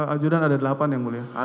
ajudan ada delapan yang mulia